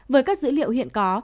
với các dữ liệu hiện có